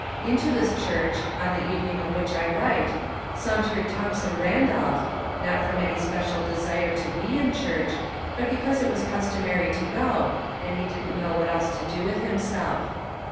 Into this church, on the evening of which I write, sauntered Thomp son Randolph, not from any special desire to be in church, but because it was customary to go, and he didn't know what else to do with himself.